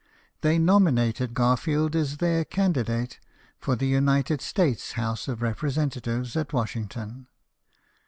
They nominated Garfield as their candidate for the United States House of Representatives at Washington.